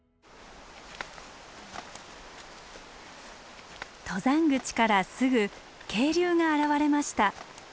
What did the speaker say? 登山口からすぐ渓流が現れました。